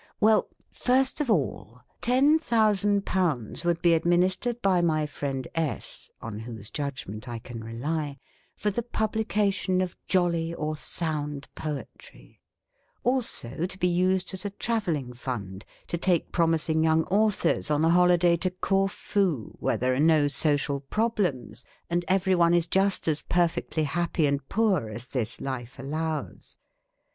Well, first of all, 10,000 would be administered by my friend S. (on whose judgment I can rely) for the publication of jolly or sound poetry : also to be used as a travelling fund to take promising young authors on a holiday to Corfu, where there are no social pro blems, and everyone is just as perfectly happy and G 82 PHILANTHROPISTS poor as this life allows.